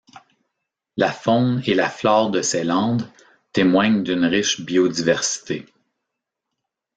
La faune et la flore de ces landes témoignent d'une riche biodiversité.